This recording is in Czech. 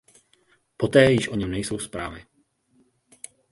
Poté již o něm nejsou zprávy.